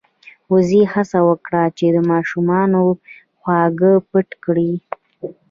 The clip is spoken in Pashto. وزې هڅه وکړه چې د ماشومانو خواږه پټ کړي.